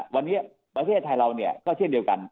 วันนี้ประเทศไทยเราก็เช่นเดียวกัน